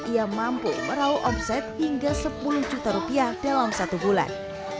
ia mampu merauh omset hingga sepuluh juta rupiah dalam satu bulan